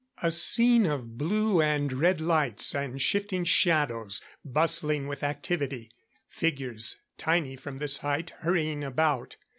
A scene of blue and red lights and shifting shadows; bustling with activity figures, tiny from this height, hurrying about.